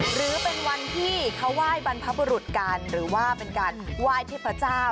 หรือเป็นวันที่เขาไหว้บรรพบุรุษกันหรือว่าเป็นการไหว้เทพเจ้า